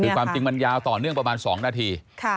คือความจริงมันยาวต่อเนื่องประมาณ๒นาที